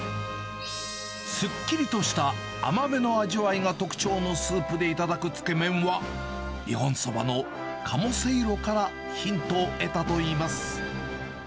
すっきりとした甘めの味わいが特徴のスープで頂くつけ麺は、日本そばの鴨せいろからヒントを得たといいます。